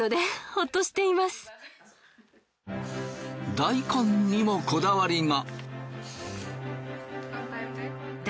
大根にもこだわりが。